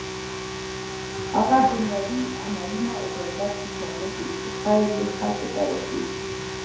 هغه دنيوي عملونه هم عبادت کې شامل دي چې خير يې خلکو ته رسيږي